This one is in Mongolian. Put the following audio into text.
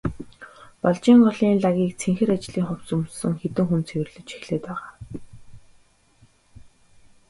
Балжийн голын лагийг цэнхэр ажлын хувцас өмссөн хэдэн хүн цэвэрлэж эхлээд байгаа.